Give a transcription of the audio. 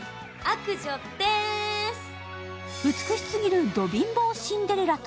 美しすぎるド貧乏シンデレラと